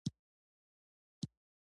غریب د درد نغمه وي